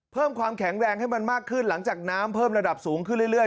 เพิ่มความแข็งแรงให้มันมากขึ้นหลังจากน้ำเพิ่มระดับสูงขึ้นเรื่อย